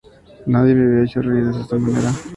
Nadie me había hecho reír de esa manera".